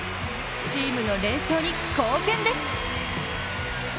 チームの連勝に貢献です。